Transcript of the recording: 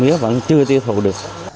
mía vẫn chưa tiêu thụ được